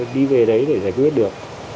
đi về đấy để giải quyết được